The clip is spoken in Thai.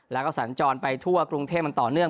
แล้วก็สัญจรไปทั่วกรุงเทพมันต่อเนื่อง